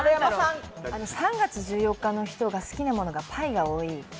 ３月１４日の人が好きなものがパイが多い。